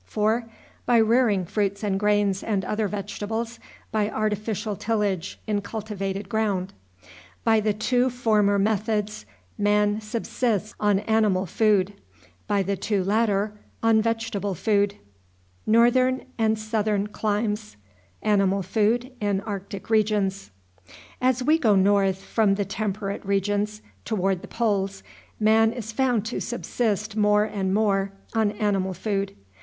4. By rearing fruits and grains and other vegetables by artificial tillage in cultivated ground. By the two former methods man subsists on animal food. By the two latter on vegetable food. As we go north, from the temperate regions toward the poles, man is found to subsist more and more on animal food.